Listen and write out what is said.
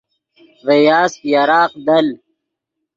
ڤے یاسپ یراق دل